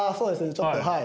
ちょっとはい。